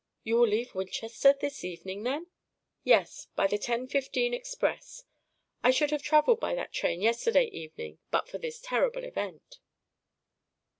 "You will leave Winchester this evening, then?" "Yes, by the 10.15 express. I should have travelled by that train yesterday evening, but for this terrible event."